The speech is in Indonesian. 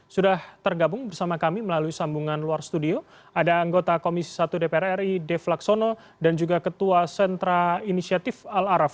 sudah tergabung bersama kami melalui sambungan luar studio ada anggota komisi satu dpr ri dev laksono dan juga ketua sentra inisiatif al araf